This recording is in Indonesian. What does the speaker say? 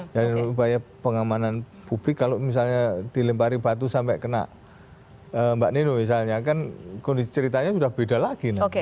dari upaya pengamanan publik kalau misalnya dilempari batu sampai kena mbak neno misalnya kan kondisi ceritanya sudah beda lagi